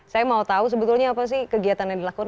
saya mau tahu sebetulnya apa sih kegiatan yang dilakukan